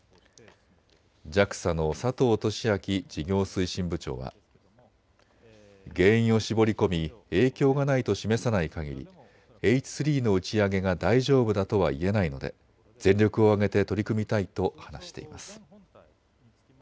ＪＡＸＡの佐藤寿晃事業推進部長は原因を絞り込み影響がないと示さないかぎりＨ３の打ち上げが大丈夫だとは言えないので全力を挙げて取り組みたいと話しています。